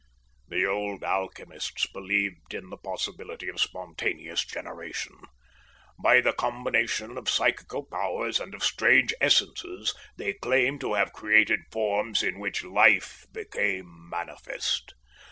"The old alchemists believed in the possibility of spontaneous generation. By the combination of psychical powers and of strange essences, they claim to have created forms in which life became manifest.